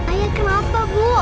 ayah kenapa bu